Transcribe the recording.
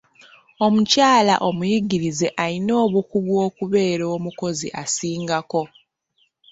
Omukyala omuyigirize ayina obukugu okubeera omukozi asingako.